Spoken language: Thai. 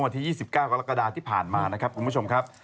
วันที่๒๙กรกฎาที่ผ่านมานะครับคุณผู้ชมครับ